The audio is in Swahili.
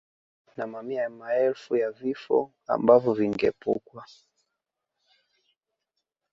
Na mamia ya maelfu ya vifo ambavyo vingeepukwa